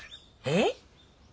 えっ？